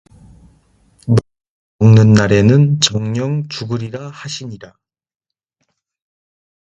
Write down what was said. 네가 먹는 날에는 정녕 죽으리라 하시니라